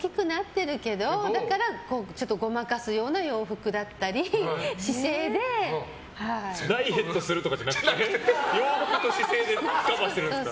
だからごまかすような洋服だったりダイエットするとかじゃなくて洋服と姿勢でカバーしてるんですか。